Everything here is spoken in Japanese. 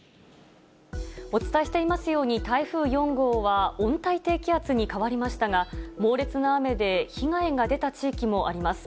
お伝えしていますように、台風４号は温帯低気圧に変わりましたが、猛烈な雨で、被害が出た地域もあります。